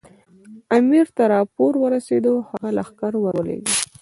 امیر ته راپور ورسېد او هغه لښکر ورولېږه.